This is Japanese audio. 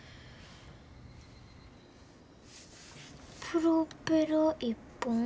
プロペラ１本。